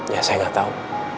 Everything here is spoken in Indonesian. ya saya gak tau